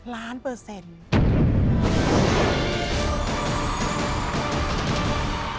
ล้านเปอร์เซ็นต์